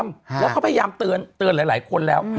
แล้วเขาพยายามเตือนหลายคนแล้ว